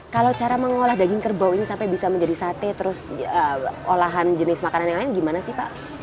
kalau cara mengolah daging kerbau ini sampai bisa menjadi sate terus olahan jenis makanan yang lain gimana sih pak